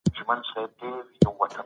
ښځه د عفت، حیا او عزت یوه لویه خزانه ده